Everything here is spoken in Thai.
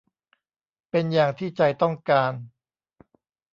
เป็นอย่างที่ใจต้องการ